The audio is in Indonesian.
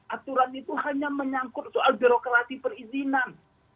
aturan itu hanya menyangkut soal birokrasi perizinan